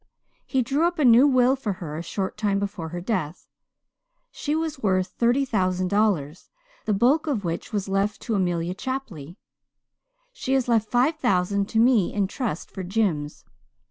He drew up a new will for her a short time before her death. She was worth thirty thousand dollars, the bulk of which was left to Amelia Chapley. But she left five thousand to me in trust for Jims.